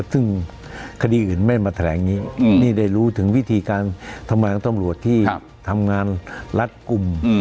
ซึ่งคดีอื่นไม่มาแถลงงี้ในในใต้รู้ถึงวิธีการทำงานต้องรอดที่ทำงานลัตกุม